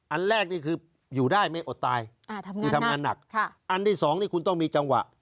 อันแรกนี่คืออยู่ได้ไม่อดตายคือทำงานหนักค่ะอันที่สองนี่คุณต้องมีจังหวะ